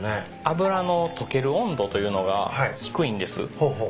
脂の溶ける温度というのが低いんです。